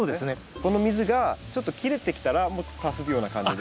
この水がちょっと切れてきたらもっと足すような感じで？